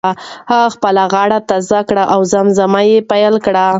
هغه خپله غاړه تازه کړه او زمزمه یې پیل کړه.